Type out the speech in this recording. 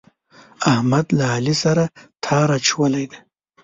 احمد له علي سره تار اچولی دی.